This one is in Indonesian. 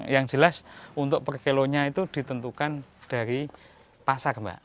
yang jelas untuk per kilonya itu ditentukan dari pasar mbak